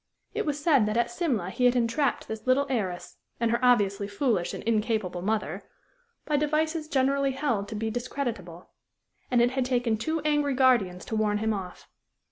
It was said that at Simla he had entrapped this little heiress, and her obviously foolish and incapable mother, by devices generally held to be discreditable; and it had taken two angry guardians to warn him off.